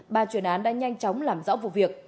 bà chuyên án đã nhanh chóng làm rõ vụ việc